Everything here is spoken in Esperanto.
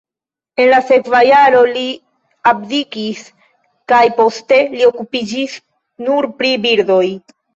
En la sekva jaro li abdikis kaj poste li okupiĝis nur pri birdoj.